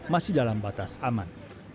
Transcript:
masih dalam batas aman